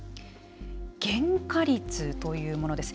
原価率というものです。